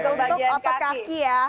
untuk bagian kaki ya